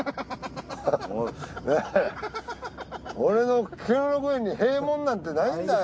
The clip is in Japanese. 俺の兼六園に閉門なんてないんだよ。